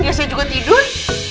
ya saya juga tidur